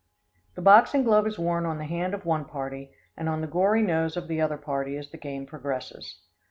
The boxing glove is worn on the hand of one party, and on the gory nose of the other party as the game progresses.